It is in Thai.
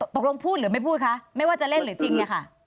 พูดหรือไม่พูดคะไม่ว่าจะเล่นหรือจริงเนี่ยค่ะ